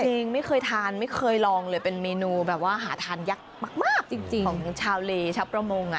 จริงไม่เคยทานไม่เคยลองเลยเป็นเมนูแบบว่าหาทานยักษ์มากจริงของชาวเลชาวประมง